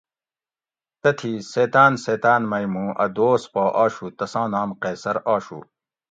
تتھی سیتاۤن سیتاۤن مئ موں اۤ دوست پا آشو تساں نام قیصر آشو